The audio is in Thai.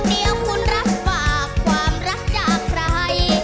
เดี๋ยวคุณรับฝากความรักจากใคร